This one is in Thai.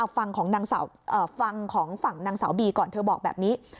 ฟังของทางฝั่งสาวบีก่อนเขาบอกแบบนี้